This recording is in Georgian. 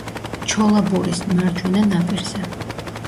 ჩოლაბურის მარჯვენა ნაპირზე.